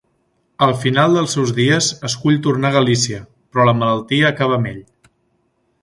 Al final dels seus dies escull tornar a Galícia, però la malaltia acaba amb ell.